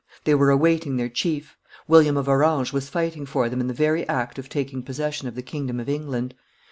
They were awaiting their chief; William of Orange was fighting for them in the very act of taking possession of the kingdom of England.